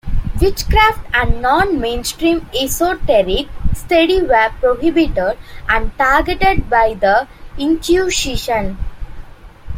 Witchcraft and non-mainstream esoteric study were prohibited and targeted by the Inquisition.